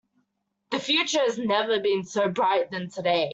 The future has never been so bright than today.